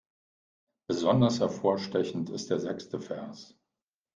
Besonders hervorstechend ist der sechste Vers.